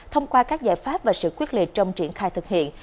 thông qua các giải pháp và sự quyết liệt trong triển khai thực hiện